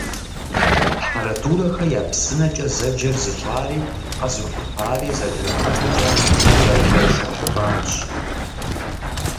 «Хьэрэдурэхэ я псынэкӀэ» зэджэр зыщӀари, къэзыхутари, зэрыжаӀэжымкӀэ, Хьэрэдурэ Шэхьбанщ.